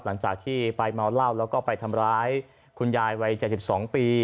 หลังจากที่ไปเมาเหล้าแล้วก็ไปทำร้ายคุณยายวัย๗๒ปี